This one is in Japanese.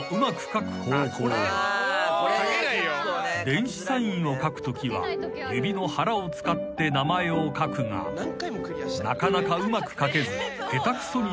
［電子サインを書くときは指の腹を使って名前を書くがなかなかうまく書けず下手くそになってしまう］